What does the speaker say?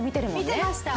見てました。